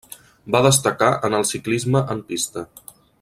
Va destacar en el ciclisme en pista.